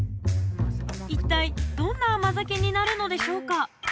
一体どんな甘酒になるのでしょうか？